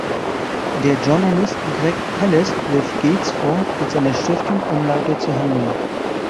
Der Journalist Greg Palast wirft Gates vor, mit seiner Stiftung unlauter zu handeln.